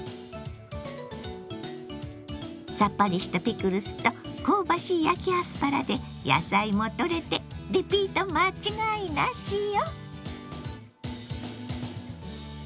さっぱりしたピクルスと香ばしい焼きアスパラで野菜もとれてリピート間違いなしよ！